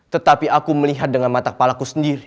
tetapi aku melihat dengan mata kepala ku sendiri